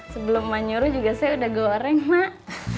sebelum mak nyuruh juga saya udah goreng mak